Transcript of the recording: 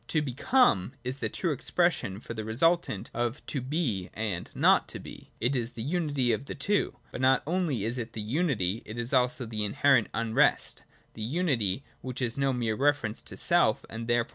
' To become ' is the true expression for the resultant of 'To be ' and ' Not to be '; it is the unity of the two ; but not only is it the unity, it is also inherent unrest, — the unity, which is no mere reference to self and therefore 88.